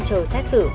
chờ xét xử